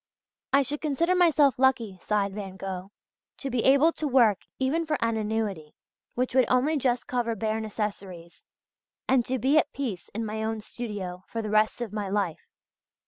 "I should consider myself lucky," sighed Van Gogh, "to be able to work even for an annuity which would only just cover bare necessaries, and to be at peace in my own studio for the rest of my life" (page 88).